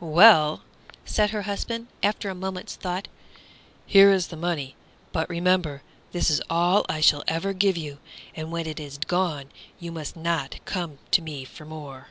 "Well," said her husband, after a moment's thought, "here is the money; but remember, this is all I shall ever give you, and when it is gone you must not come to me for more."